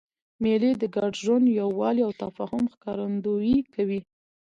مېلې د ګډ ژوند، یووالي او تفاهم ښکارندویي کوي.